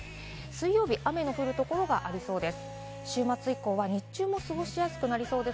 水曜日、雨の降るところがありそうです。